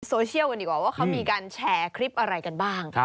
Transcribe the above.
โซเชียลกันดีกว่าว่าเขามีการแชร์คลิปอะไรกันบ้าง